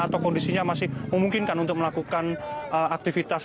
atau kondisinya masih memungkinkan untuk melakukan aktivitas